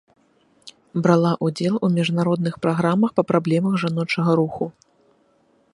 Брала ўдзел у міжнародных праграмах па праблемах жаночага руху.